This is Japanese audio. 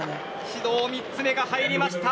指導３つ目が入りました。